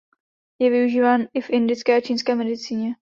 Je využíván i v indické a čínské medicíně.